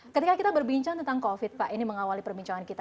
ketika kita berbincang tentang covid pak ini mengawali perbincangan kita